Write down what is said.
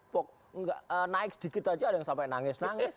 pok naik sedikit aja ada yang sampai nangis nangis